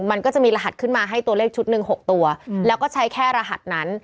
มันก็จะมีรหัสขึ้นมาให้ตัวเลขชุดหนึ่ง๖ตัวแล้วก็ใช้แค่รหัสนั้น